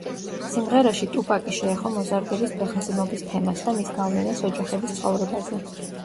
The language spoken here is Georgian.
სიმღერაში ტუპაკი შეეხო მოზარდების ფეხმძიმობის თემას და მის გავლენას ოჯახების ცხოვრებაზე.